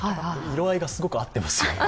色合いがすごく合っています。